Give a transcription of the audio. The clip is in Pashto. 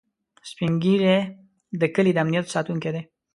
سپین ږیری د کلي د امنيت ساتونکي دي